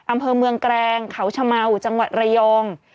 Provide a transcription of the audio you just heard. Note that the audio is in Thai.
อำเภอเมืองแกรงเขาชะเมาจังหวัดระยอง